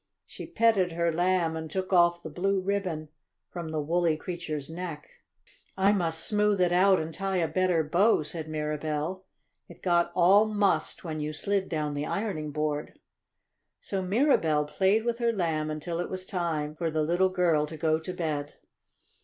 She petted her Lamb, and took off the blue ribbon from the woolly creature's neck. "I must smooth it out and tie a better bow," said Mirabell. "It got all mussed when you slid down the ironing board." So Mirabell played with her Lamb until it was time for the little girl to go to bed.